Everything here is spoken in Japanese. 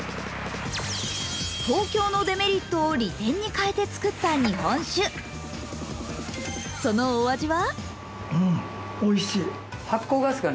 東京のデメリットを利点に変えて造った日本酒、そのお味は？